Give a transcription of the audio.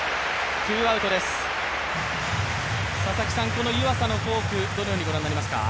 この湯浅のフォーク、どのようにご覧になりますか。